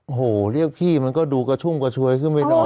โอ้โหเรียกพี่มันก็ดูกระชุ่มกระชวยขึ้นไปหน่อย